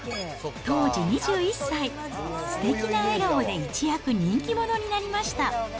当時２１歳、すてきな笑顔で一躍人気者になりました。